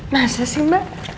masa sih mbak